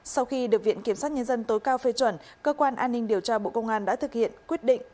sau khi được viện kiểm sát nhân dân tối cao phê chuẩn cơ quan an ninh điều tra bộ công an đã thực hiện quyết định